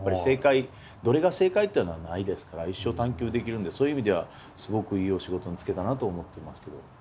正解どれが正解っていうのはないですから一生探求できるんでそういう意味ではすごくいいお仕事に就けたなと思っていますけど。